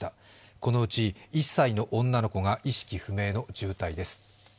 このうち１歳女の子が意識不明の重体です。